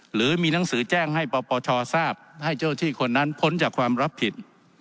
หรือมีหนังสือแจ้งให้ปปชทราบให้เจ้าที่คนนั้นพ้นจากความรับผิด